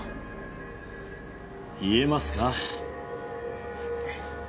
言えますか？